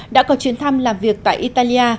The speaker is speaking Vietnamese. đã có chuyến thăm làm việc tại italy